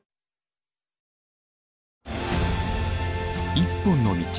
「一本の道」。